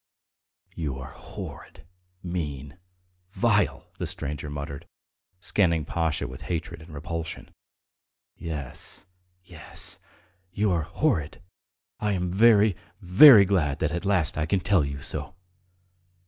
"You are horrid, mean, vile ..." the stranger muttered, scanning Pasha with hatred and repulsion. "Yes, yes ... you are horrid. I am very, very glad that at last I can tell you so!"